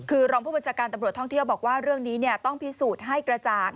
คือรองผู้บัญชาการตำรวจท่องเที่ยวบอกว่าเรื่องนี้ต้องพิสูจน์ให้กระจ่าง